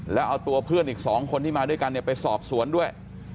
แล้วเอาตัวเพื่อนอีก๒คนที่มาด้วยกันไปสอบสวนด้วย